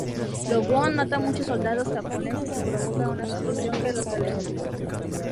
Do-won mata a muchos soldados japoneses y provoca una explosión que los aleja.